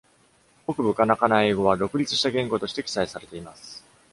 北部カナカナエイ語は、独立した言語として記載されています。